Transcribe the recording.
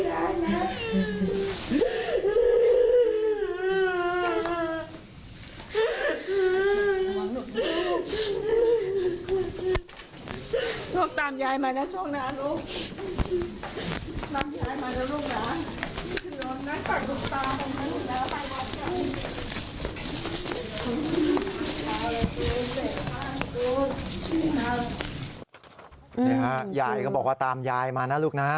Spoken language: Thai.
อย่างนี้ค่ะยายก็บอกว่าตามยายมานะลูกนะ